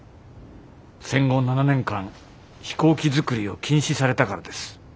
戦後７年間飛行機作りを禁止されたからです。